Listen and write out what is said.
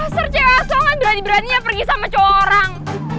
ser cewek aso kan berani beraninya pergi sama cowok orang